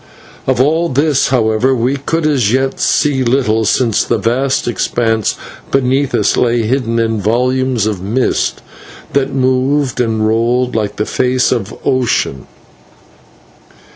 Of all this, however, we could as yet see little, since the vast expanse beneath us lay hidden in volumes of mist that moved and rolled like the face of ocean.